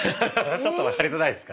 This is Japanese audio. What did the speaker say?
ちょっと分かりづらいですか。